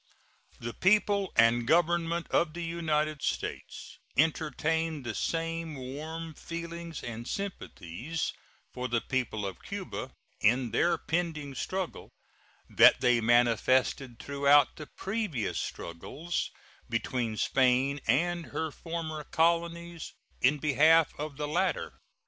The people and Government of the United States entertain the same warm feelings and sympathies for the people of Cuba in their pending struggle that they manifested throughout the previous struggles between Spain and her former colonies in behalf of the latter.